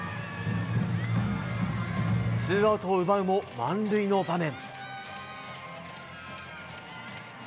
ツーアウトを奪うも満塁の場面。